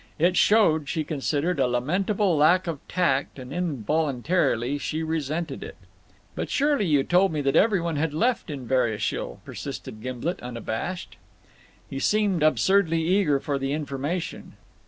It showed, she considered, a lamentable lack of tact, and involuntarily she resented it. "But surely you told me that every one had left Inverashiel," persisted Gimblet, unabashed. He seemed absurdly eager for the information.